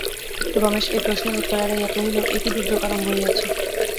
রমেশ এই প্রশ্নের উত্তর এড়াইয়া কহিল, এ কী দুর্যোগ আরম্ভ হইয়াছে!